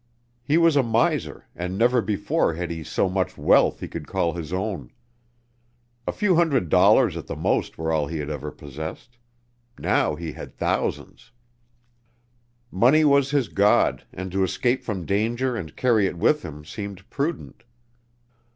He was a miser, and never before had he so much wealth he could call his own. A few hundred dollars at the most were all he had ever possessed. Now he had thousands. Money was his god, and to escape from danger and carry it with him seemed prudent.